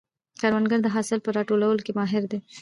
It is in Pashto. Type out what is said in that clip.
کروندګر د حاصل په راټولولو کې ماهر دی